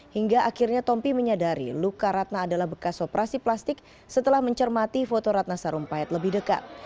hingga akhirnya tompi menyadari luka ratna adalah bekas operasi plastik setelah mencermati foto ratna sarumpayat lebih dekat